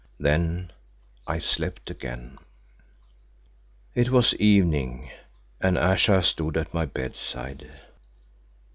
Then I slept again. It was evening, and Ayesha stood at my bedside.